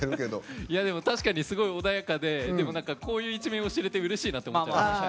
確かに、すごい穏やかでこういう一面を知れてうれしいなって。